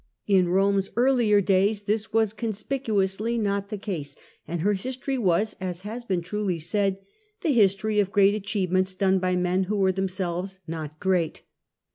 In Eome^s earlier days this A 2 LATER DAYS OP THE ROMAN REPUBLIC was conspicnously not the case, and her history was (as has been truly said) the history of great achievements done by men who were themselves not great.